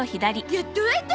やっと会えた！